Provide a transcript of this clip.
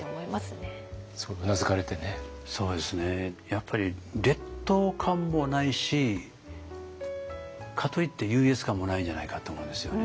やっぱり劣等感もないしかといって優越感もないんじゃないかって思うんですよね。